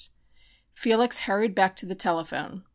Felix hurried back to the telephone.